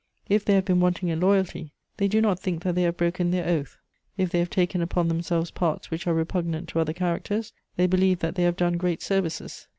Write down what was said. If they have been wanting in loyalty, they do not think that they have broken their oath; if they have taken upon themselves parts which are repugnant to other characters, they believe that they have done great services.